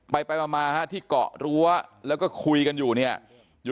ไปไปมาที่เกาะรั้วแล้วก็คุยกันอยู่เนี่ย